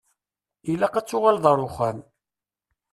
Ilaq ad tuɣaleḍ ar uxxam.